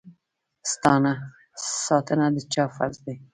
ساتنه د چا فرض دی؟